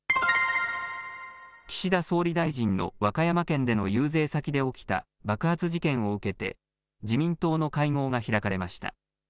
岸田総理大臣の和歌山県での遊説先で起きた爆発事件を受けて、自民党の会合が開かれました。